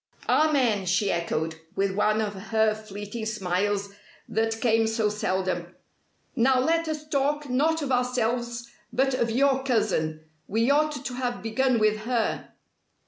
"Amen!" she echoed, with one of her fleeting smiles that came so seldom. "Now let us talk not of ourselves but of your cousin. We ought to have begun with her!"